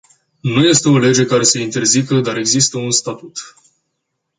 Nu este o lege care să-i interzică, dar există un statut.